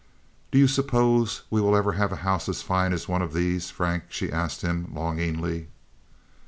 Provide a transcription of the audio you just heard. "Do you suppose we will ever have a house as fine as one of these, Frank?" she asked him, longingly.